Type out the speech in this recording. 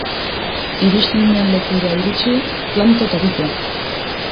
Iristen den lekura iritsi, planto eta kito.